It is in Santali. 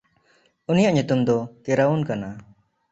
ᱩᱱᱤᱭᱟᱜ ᱧᱩᱛᱩᱢ ᱫᱚ ᱠᱮᱨᱟᱩᱱ ᱠᱟᱱᱟ᱾